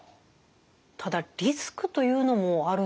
ただリスクというのもあるんでしょうか？